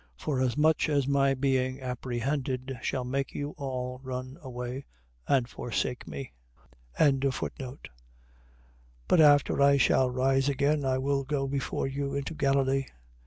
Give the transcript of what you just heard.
.Forasmuch as my being apprehended shall make you all run away and forsake me. 26:32. But after I shall be risen again, I will go before you into Galilee.